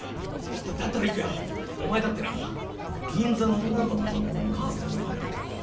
だだったら生弥お前だってな銀座の女のこと母さんにバレてたろ。